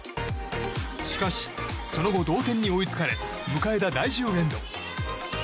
しかし、その後同点に追いつかれ迎えた第１０エンド。